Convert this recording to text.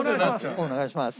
お願いします。